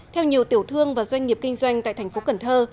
theo nhiều tiểu thương và doanh nghiệp kinh doanh tại thành phố cần thơ